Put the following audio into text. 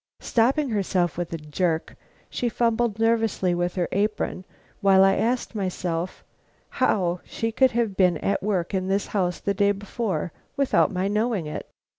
Stopping herself with a jerk, she fumbled nervously with her apron, while I asked myself how she could have been at work in this house the day before without my knowing it.